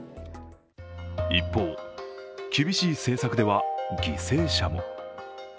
一方、厳しい政策では犠牲者も。